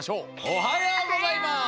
おはようございます。